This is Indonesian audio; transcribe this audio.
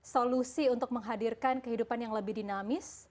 solusi untuk menghadirkan kehidupan yang lebih dinamis